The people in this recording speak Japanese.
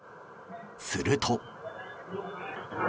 すると。